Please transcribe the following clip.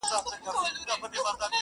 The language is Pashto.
او ملګرتیا ته یې خجالت وم